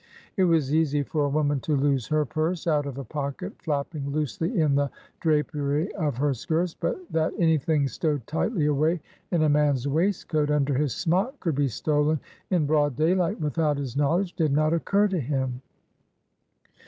It was easy for a woman to lose her purse out of a pocket flapping loosely in the drapery of her skirts, but that any thing stowed tightly away in a man's waistcoat under his smock could be stolen in broad daylight without his knowledge did not occur to him.